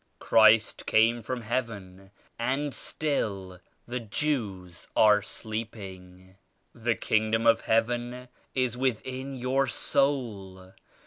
Christ came from Heaven and still the Jews are sleeping. The Kingdom of Heaven is within your soul.